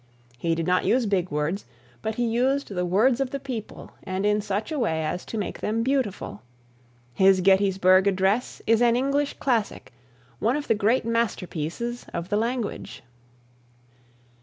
He did not use big words, but he used the words of the people, and in such a way as to make them beautiful. His Gettysburg address is an English classic, one of the great masterpieces of the language.